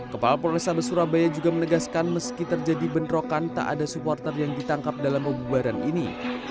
kepala polrestabes surabaya juga menegaskan meski terjadi bentrokan tak ada supporter yang ditangkap dalam pembubaran ini